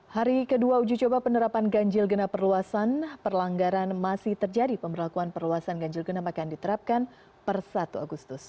hari kedua uji coba penerapan ganjil genap perluasan perlanggaran masih terjadi pemberlakuan perluasan ganjil genap akan diterapkan per satu agustus